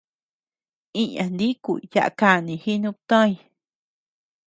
Iña niku yaʼa kanii jinubtoñ.